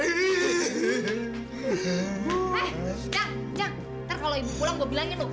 eh jang jang ntar kalau ibu pulang gue bilangin loh